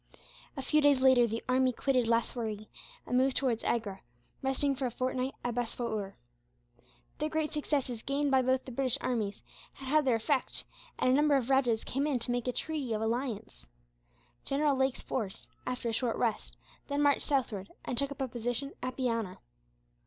A few days later the army quitted Laswaree and moved towards Agra, resting for a fortnight at Besawur. The great successes gained by both the British armies had had their effect, and a number of rajahs came in to make a treaty of alliance. General Lake's force, after a short rest, then marched southward, and took up a position at Biana.